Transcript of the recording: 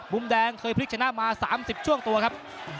มุมแดงเคยพลิกชนะมา๓๐ช่วงตัวครับ